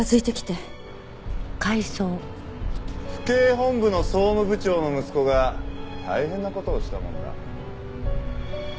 府警本部の総務部長の息子が大変な事をしたもんだ。